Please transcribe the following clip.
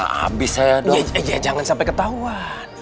habis saya dong iya jangan sampai ketahuan